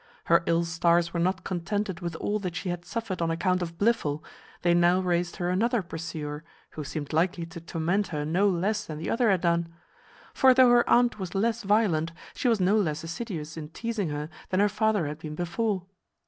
Her ill stars were not contented with all that she had suffered on account of Blifil, they now raised her another pursuer, who seemed likely to torment her no less than the other had done. For though her aunt was less violent, she was no less assiduous in teizing her, than her father had been before.